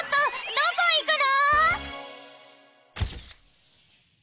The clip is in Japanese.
どこいくの！？